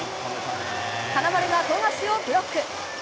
金丸が富樫をブロック。